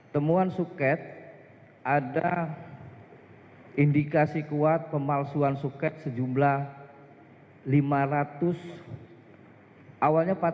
temuan suket ada indikasi kuat pemalsuan suket sejumlah lima ratus awalnya empat ratus